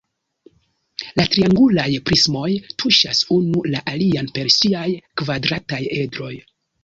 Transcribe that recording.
La triangulaj prismoj tuŝas unu la alian per siaj kvadrataj edroj.